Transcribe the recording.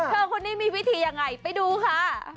คนนี้มีวิธียังไงไปดูค่ะ